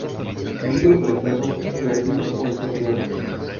Libro prestado, perdido o estropeado